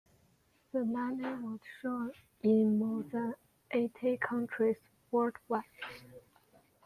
"The Nanny" was shown in more than eighty countries worldwide.